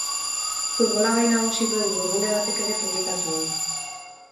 Futbola gai nagusi duen webgune batek ere publikatu du.